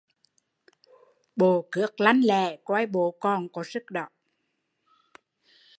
Bộ cước lanh lẹ, coi bộ còn có sức